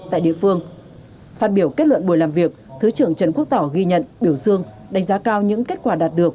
tại địa phương phát biểu kết luận buổi làm việc thứ trưởng trần quốc tỏ ghi nhận biểu dương đánh giá cao những kết quả đạt được